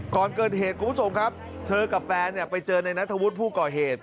ก่อนเกิดเหตุคุณผู้ชมครับเธอกับแฟนไปเจอในนัทธวุฒิผู้ก่อเหตุ